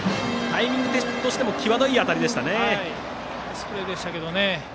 タイミングとしても際どい当たりでしたね。